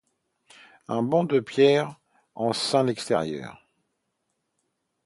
Un banc de pierre en ceint l'extérieur.